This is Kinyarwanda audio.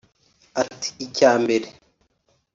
Ati “Icya mbere